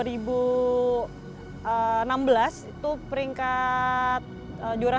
itu peringkat jurnal